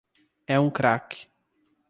É um crack.